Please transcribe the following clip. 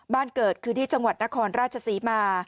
บ้านเกิดคือที่จังหวัดนครราชศรีมา